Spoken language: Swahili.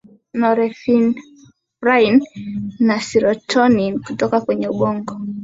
norepinephrine na serotonin kutoka kwenye ubongo